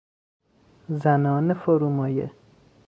زنان فرومایه